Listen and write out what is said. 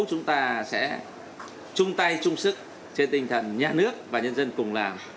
chúng ta sẽ chung tay chung sức trên tinh thần nhà nước và nhân dân cùng làm